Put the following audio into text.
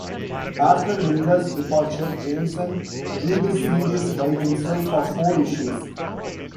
After Miller's departure, Janson drew the series by himself for four issues.